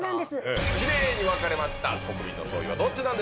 奇麗に分かれました国民の総意はどっちなんでしょうか？